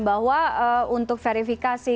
bahwa untuk verifikasi